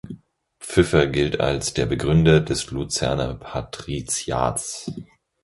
Pfyffer gilt als der Begründer des Luzerner Patriziats.